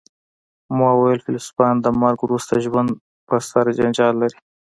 ما وویل فیلسوفان د مرګ وروسته ژوند په سر جنجال لري